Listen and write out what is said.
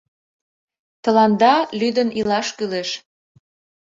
Тыланда лӱдын илаш кӱлеш.